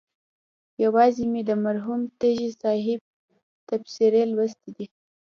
یوازې مې د مرحوم تږي صاحب تبصرې لوستلي دي.